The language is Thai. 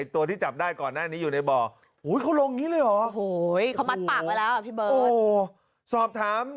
ตัวที่จับได้ก่อนหน้านี้อยู่ในบ่อ